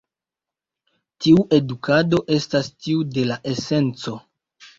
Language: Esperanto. Tiu edukado estas tiu de la esenco.